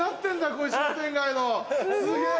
こういう商店街のすげぇ。